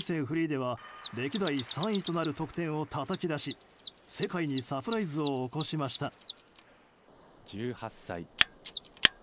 フリーでは歴代３位となる得点をたたき出し、世界にサプライズを起こしました。